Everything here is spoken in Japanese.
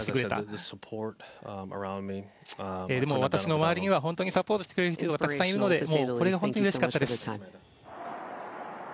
でも、私の周りには本当にサポートしてくれる人がたくさんいるのでこれが本当にうれしかったです。